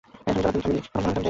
এখনো জ্বালাতন থামেনি, তাই না?